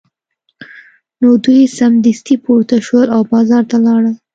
نو دوی سمدستي پورته شول او بازار ته لاړل